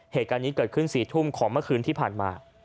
เหตุการณ์นี้เกิดขึ้น๔ทุ่มของเมื่อคืนที่ผ่านมา